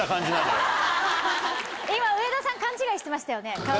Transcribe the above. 今上田さん勘違いしてましたよね？